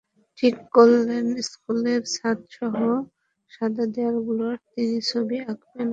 ঠিক করলেন স্কুলের ছাদসহ সাদা দেয়ালগুলোয় তিনি ছবি আঁকবেন কাদা দিয়ে।